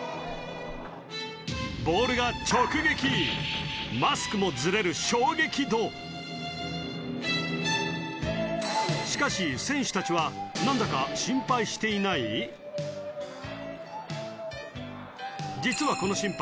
ボールが直撃マスクもズレる衝撃度しかし選手たちは何だか実はこの審判